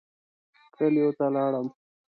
کلیو ته لاړم.